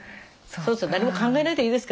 何も考えないでいいですからね。